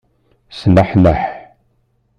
Sneḥneḥ.